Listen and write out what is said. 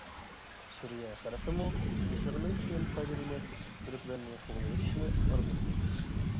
سۈرىيە خەلقىمۇ مىسىرنىڭ كۈچىدىن پايدىلىنىپ، تۈركلەرنى قوغلىۋېتىشنى ئارزۇ قىلاتتى.